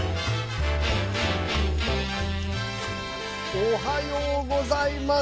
おはようございます。